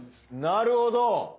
なるほど。